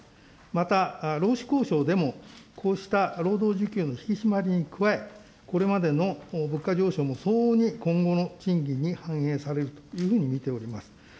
また、労使交渉でもこうした労働需給の引き締まりに加え、これまでの物価上昇も相応に今後の賃金に反映されるというふうに見ております。